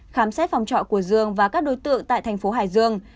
khám xét phòng trọ của dương và các đối tượng tại thành phố hải dương